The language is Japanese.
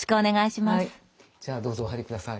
じゃあどうぞお入り下さい。